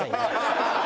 ハハハハ！